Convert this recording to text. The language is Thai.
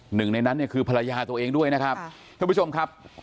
หนึ่งในนั้นเนี่ยคือภรรยาตัวเองด้วยนะครับท่านผู้ชมครับ